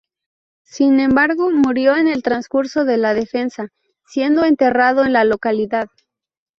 Sin embargo, murió en el transcurso de la defensa, siendo enterrado en la localidad.